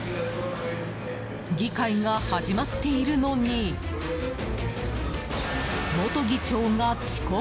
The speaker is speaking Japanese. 議会が始まっているのに元議長が遅刻。